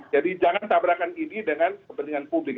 jadi jangan tabrakan idi dengan kepentingan publik